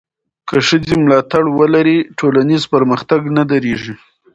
که ښځې ملاتړ ولري، ټولنیز پرمختګ نه درېږي.